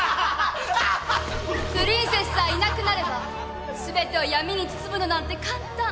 プリンセスさえいなくなればすべてを闇に包むのなんて簡単。